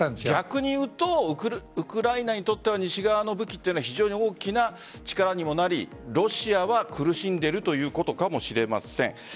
逆にいうとウクライナにとっては西側の武器は非常に大きな力にもなりロシアは苦しんでいるということかもしれません。